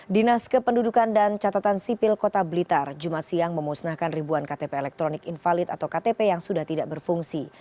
dinas kependudukan dan catatan sipil kota blitar jumat siang memusnahkan ribuan ktp elektronik invalid atau ktp yang sudah tidak berfungsi